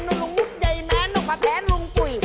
น้าลุงมุกใยแม้นน้าขาแพ้ลุงปุ่ย